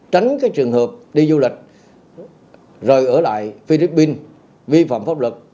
tránh cái trường hợp đi du lịch rồi ở lại philippines vi phạm pháp luật